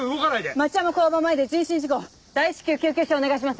町山交番前で人身事故大至急救急車お願いします。